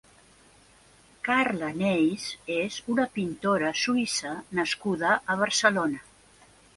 Carla Neis és una pintora suïssa nascuda a Barcelona.